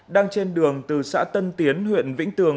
đang trên đường từ xã tân tiến huyện vĩnh tường